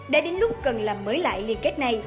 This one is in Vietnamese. đã đến lúc cần làm mới lại liên kết này